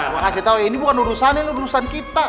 gue kasih tau ya ini bukan urusan ya ini urusan kita